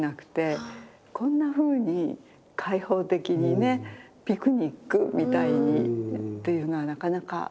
こんなふうに開放的にねピクニックみたいにっていうのはなかなか。